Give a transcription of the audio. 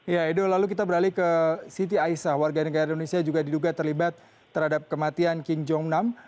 ya edo lalu kita beralih ke siti aisah warga negara indonesia juga diduga terlibat terhadap kematian king jong nam